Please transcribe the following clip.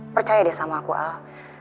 percaya deh sama aku al